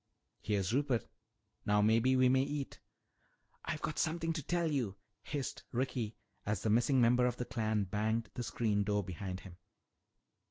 Here's Rupert. Now maybe we may eat." "I've got something to tell you," hissed Ricky as the missing member of the clan banged the screen door behind him.